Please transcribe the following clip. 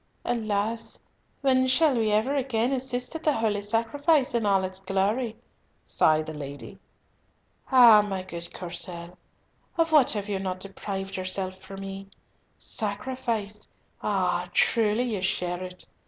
"Alas! when shall we ever again assist at the Holy Sacrifice in all its glory!" sighed the lady. "Ah, my good Courcelles! of what have you not deprived yourself for me! Sacrifice, ah! truly you share it!